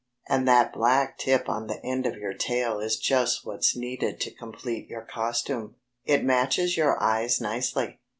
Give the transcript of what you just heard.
And that black tip on the end of your tail is just what's needed to complete your costume. It matches your eyes nicely....